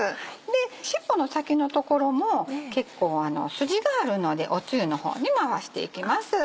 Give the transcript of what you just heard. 尻尾の先の所も結構筋があるので汁の方にも合わしていきます。